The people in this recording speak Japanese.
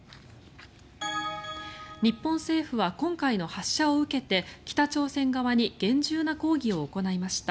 日本政府は今回の発射を受けて北朝鮮側に厳重な抗議を行いました。